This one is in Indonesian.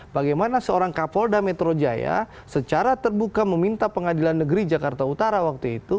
bagaimana seorang kapolda metro jaya secara terbuka meminta pengadilan negeri jakarta utara waktu itu